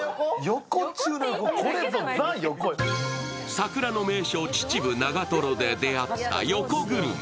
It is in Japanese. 桜の名所、秩父・長瀞で出会った横グルメ。